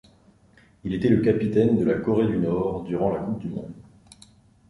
Il était le capitaine de la Corée du Nord durant la coupe du monde.